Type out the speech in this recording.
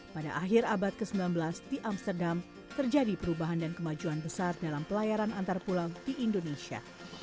pada akhir abad ke sembilan belas di amsterdam terjadi perubahan dan kemajuan besar dalam pelayaran antar pulau di indonesia